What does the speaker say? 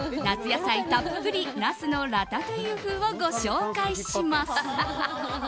野菜たっぷりナスのラタトゥイユ風をご紹介します。